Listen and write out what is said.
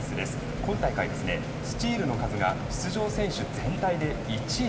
今大会スチールの数が出場選手全体で１位。